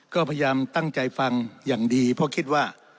ก็พยายามตั้งใจฟังอย่างดีเพราะคิดว่า